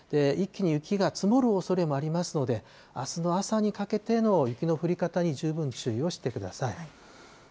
一気に雪が積もるおそれもありますので、あすの朝にかけての雪の降り方に十分注意をしてください。